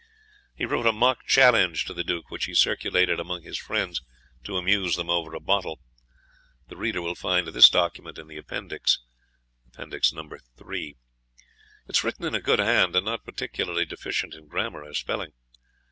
He wrote a mock challenge to the Duke, which he circulated among his friends to amuse them over a bottle. The reader will find this document in the Appendix.* It is written in a good hand, and not particularly deficient in grammar or spelling.